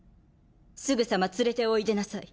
すぐさま連れておいでなさい。